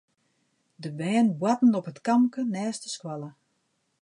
De bern boarten op it kampke neist de skoalle.